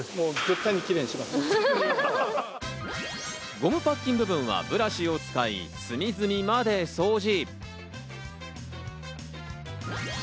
ゴムパッキン部分はブラシを使い、隅々まで掃除。